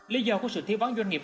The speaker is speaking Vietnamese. lý do của sự thiếu bắn doanh nghiệp